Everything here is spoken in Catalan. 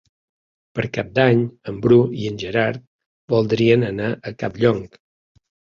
Per Cap d'Any en Bru i en Gerard voldrien anar a Campllong.